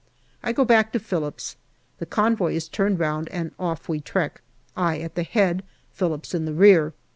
I go back to Phillips ; the convoy is turned round and off we trek, I at the head, Phillips in the rear.